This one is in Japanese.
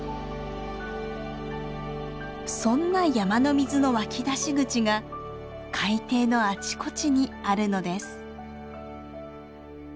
そんな山の水の湧き出し口が海底のあちこちにあるのです。